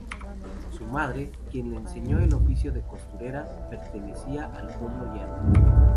Su madre, quien le enseñó el oficio de costurera, pertenecía al pueblo llano.